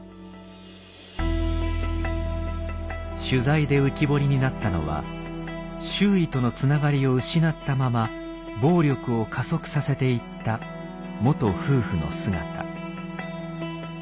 取材で浮き彫りになったのは周囲とのつながりを失ったまま暴力を加速させていった元夫婦の姿。